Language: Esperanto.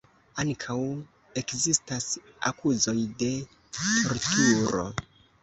Ankaŭ ekzistas akuzoj de torturo.